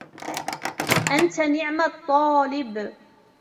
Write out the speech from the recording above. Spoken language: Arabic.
أنت نِعْمَ الطالب.